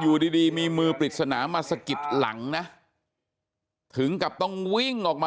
อยู่ดีดีมีมือปริศนามาสะกิดหลังนะถึงกับต้องวิ่งออกมา